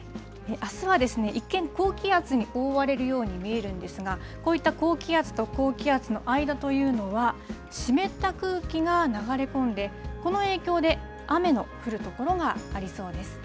あすは一見、高気圧に覆われるように見えるんですが、こういった高気圧と高気圧の間というのは、湿った空気が流れ込んで、この影響で、雨の降る所がありそうです。